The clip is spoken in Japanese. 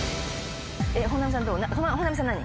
本並さん何？